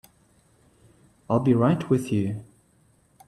I'll be right with you.